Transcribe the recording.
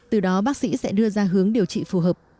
từ đó bác sĩ sẽ đưa ra hướng điều trị phù hợp